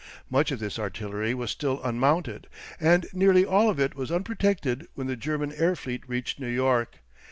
Much of this artillery was still unmounted, and nearly all of it was unprotected when the German air fleet reached New York.